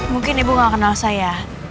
mungkin ibu nggak kenal saya